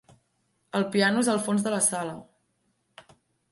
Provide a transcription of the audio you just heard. El piano és al fons de la sala.